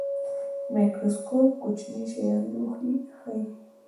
مایکروسکوپ کوچني شیان لوی ښيي